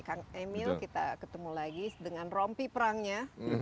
kang emil kita ketemu lagi dengan rompi perangnya